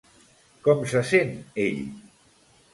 Com se sent ell?